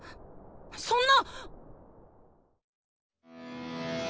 そんな⁉